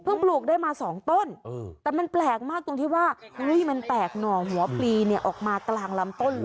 ปลูกได้มา๒ต้นแต่มันแปลกมากตรงที่ว่ามันแตกหน่อหัวปลีเนี่ยออกมากลางลำต้นเลย